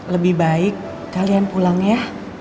lebih baik kalian pulang ya